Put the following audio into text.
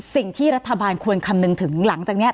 สิ่งที่รัฐบาลควรคำนึงถึงหลังจากนี้